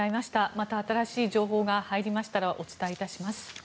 また新しい情報が入りましたらお伝えします。